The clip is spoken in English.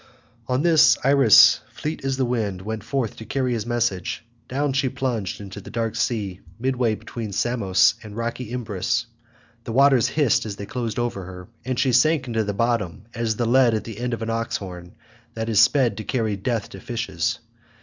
On this Iris fleet as the wind went forth to carry his message. Down she plunged into the dark sea midway between Samos and rocky Imbrus; the waters hissed as they closed over her, and she sank into the bottom as the lead at the end of an ox horn, that is sped to carry death to fishes.